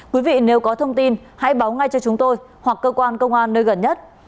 quý vị nếu có thông tin hãy báo ngay cho chúng tôi hoặc cơ quan công an nơi gần nhất